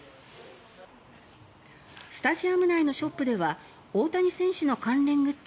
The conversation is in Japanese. スタジアム内のショップでは大谷選手の関連グッズ